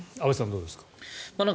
どうですか。